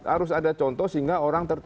harus ada contoh sehingga orang